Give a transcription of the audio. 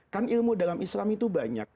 kan ilmu dalam islam itu banyak